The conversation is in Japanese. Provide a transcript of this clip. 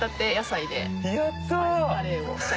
やった！